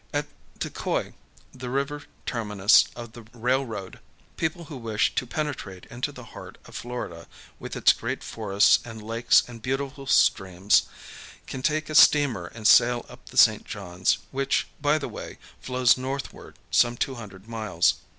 At Tocoi, the river terminus of the railroad, people who wish to penetrate into the heart of Florida, with its great forests and lakes and beautiful streams, can take a steamer and sail up the St. John's, which, by the way, flows northward some two hundred miles.